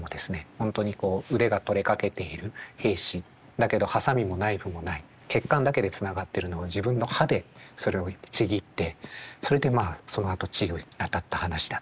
本当にこう腕が取れかけている兵士だけどハサミもナイフもない血管だけでつながってるのを自分の歯でそれをちぎってそれでまあそのあと治療に当たった話だったり。